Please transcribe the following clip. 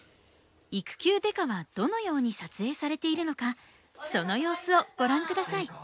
「育休刑事」はどのように撮影されているのかその様子をご覧下さい。